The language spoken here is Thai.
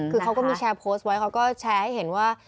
คือเขาก็มีแชร์โพสต์ไว้เขาก็แชร์ให้เห็นว่า